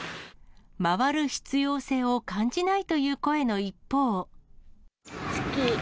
回る必要性を感じないという好き。